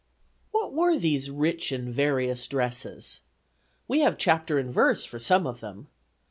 What were these rich and various dresses? We have chapter and verse for some of them.